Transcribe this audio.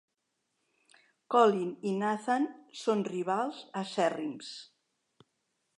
Colin i Nathan són rivals acèrrims.